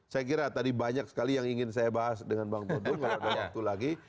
saya kira tadi banyak sekali yang ingin saya bahas dengan bang todo kalau ada waktu lagi